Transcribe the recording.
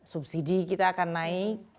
subsidi kita akan naik